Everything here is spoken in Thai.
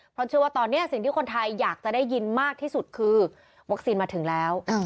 เพราะเชื่อว่าตอนนี้สิ่งที่คนไทยอยากจะได้ยินมากที่สุดคือวัคซีนมาถึงแล้ว